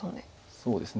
そうですね。